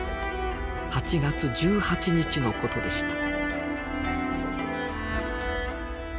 ８月１８日のことでした。